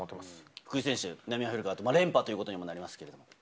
福井選手、南アフリカ連覇となりますけれども。